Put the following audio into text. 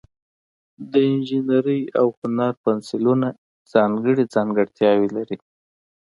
د انجینرۍ او هنر پنسلونه ځانګړي ځانګړتیاوې لري.